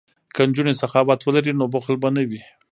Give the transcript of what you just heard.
که نجونې سخاوت ولري نو بخل به نه وي.